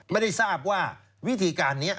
ไม่ได้ทราบว่าวิธีการนี้